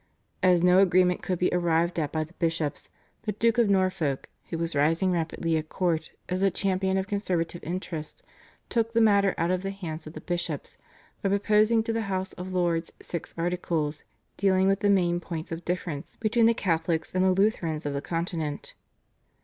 As no agreement could be arrived at by the bishops, the Duke of Norfolk, who was rising rapidly at court as the champion of conservative interests, took the matter out of the hands of the bishops, by proposing to the House of Lords Six Articles dealing with the main points of difference between the Catholics and the Lutherans of the Continent.